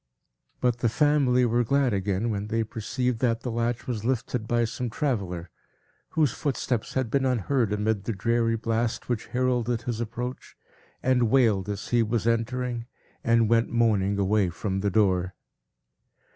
But the family were glad again, when they perceived that the latch was lifted by some traveller, whose footsteps had been unheard amid the dreary blast, which heralded his approach, and wailed as he was entering, and went moaning away from the door.